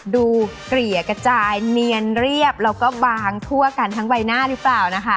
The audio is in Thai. เกลี่ยกระจายเนียนเรียบแล้วก็บางทั่วกันทั้งใบหน้าหรือเปล่านะคะ